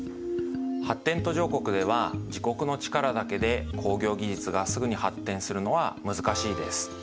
発展途上国では自国の力だけで工業技術がすぐに発展するのは難しいです。